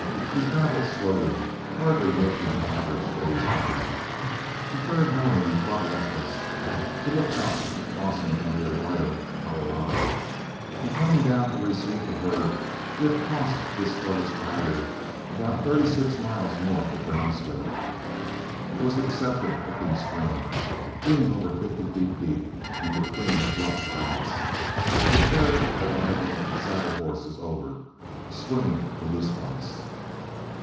We traveled slowly, hardly making an average day's drive. The third morning Flood left us, to look out a crossing on the Arroyo Colorado. On coming down to receive the herd, we had crossed this sluggish bayou about thirty six miles north of Brownsville. It was a deceptive looking stream, being over fifty feet deep and between bluff banks. We ferried our wagon and saddle horses over, swimming the loose ones.